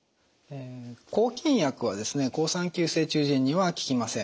抗菌薬は好酸球性中耳炎には効きません。